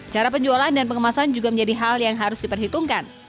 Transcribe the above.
cara penjualan dan pengemasan juga menjadi hal yang harus diperhitungkan